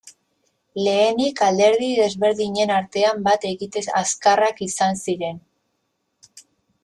Lehenik, alderdi desberdinen artean bat egite azkarrak izan ziren.